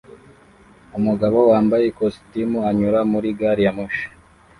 Umugabo wambaye ikositimu anyura muri gari ya moshi